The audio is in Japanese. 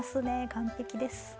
完璧です。